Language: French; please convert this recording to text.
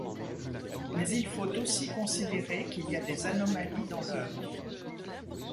Mais il faut aussi considérer qu'il y a des anomalies dans l'œuvre.